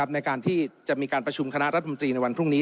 ในการที่จะมีการประชุมคณะรัฐมนตรีในวันพรุ่งนี้